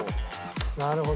なるほど。